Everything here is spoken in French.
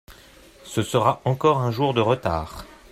Ce sera encore un jour de retard.